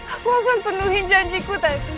aku akan penuhi janjiku tadi